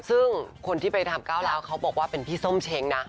ซึ่งคนที่ไปทำก้าวร้าวเขาบอกว่าเป็นพี่ส้มเช้งนะ